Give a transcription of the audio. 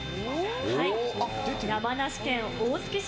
山梨県大月市